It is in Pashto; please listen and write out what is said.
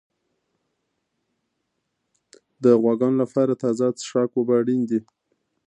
د غواګانو لپاره تازه څښاک اوبه اړین دي.